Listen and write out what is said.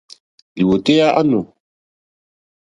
Lìwòtéyá á nù.